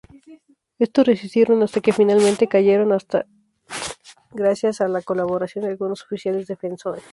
Estos resistieron hasta que finalmente cayeron gracias a la colaboración de algunos oficiales defensores.